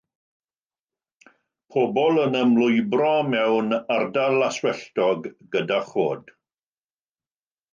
Pobl yn ymlwybro mewn ardal laswelltog gyda choed.